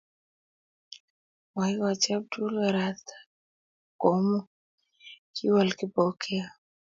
Moikochini Abdul kasarta komuny, kiwol Kipokeo